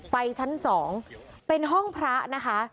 ชั้น๒เป็นห้องพระนะคะ